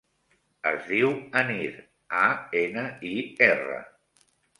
Es diu Anir: a, ena, i, erra.